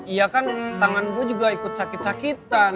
iya kan tangan gue juga ikut sakit sakitan